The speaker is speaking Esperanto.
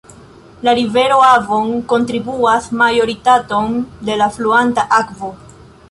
La rivero Avon kontribuas majoritaton de la fluanta akvo.